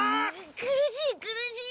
苦しい苦しい！